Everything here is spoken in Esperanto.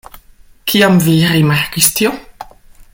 Kiam vi rimarkis tion?